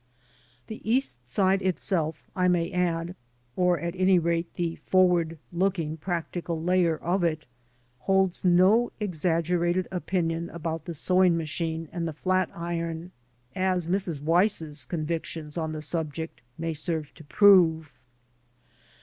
The East Side itself, I may add — or, at any rate, the forward looking, practical layer of it — ^holds no ex aggerated opinion about the sewing machine and the flat iron, as Mrs. Wdss's convictions on the subject may serve to prove.